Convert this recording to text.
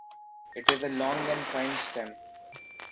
It is a long and fine stem.